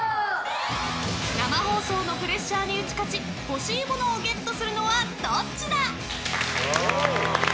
生放送のプレッシャーに打ち勝ち欲しいものをゲットするのはどっちだ？